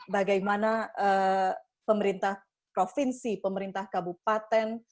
bagaimana pemerintah provinsi pemerintah kabupaten